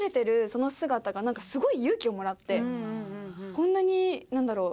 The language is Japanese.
こんなになんだろう